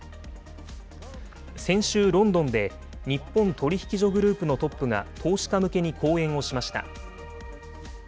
先週、ロンドンで日本取引所グループのトップが、投資家向けに講演をしました。